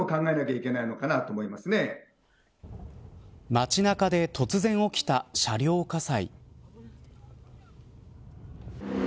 街中で突然起きた車両火災。